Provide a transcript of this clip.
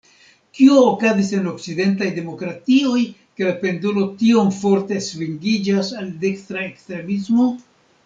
Kio okazis en okcidentaj demokratioj, ke la pendolo tiom forte svingiĝas al dekstra ekstremismo?